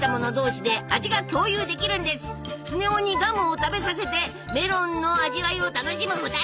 スネ夫にガムを食べさせてメロンの味わいを楽しむ２人。